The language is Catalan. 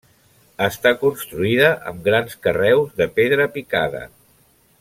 Està construïda amb grans carreus de pedra picada.